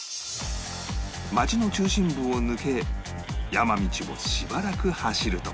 町の中心部を抜け山道をしばらく走ると